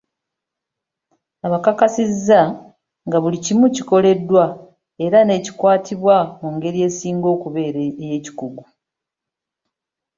Abakakasiza nga buli kimu bwekikoleddwa era nekikwatibwa mu ngeri esinga okubeera ey'ekikugu.